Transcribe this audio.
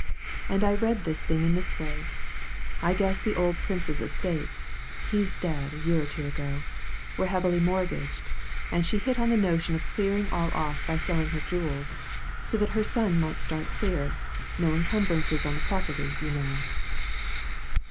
And I read this thing in this way: I guess the old Prince's estates (he's dead, a year or two ago) were heavily mortgaged, and she hit on the notion of clearing all off by selling her jewels, so that her son might start clear no encumbrances on the property, you know."